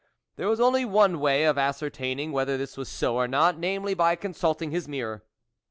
There was only one way of ascertaining whether this was so or not, namely, by consulting his mirror.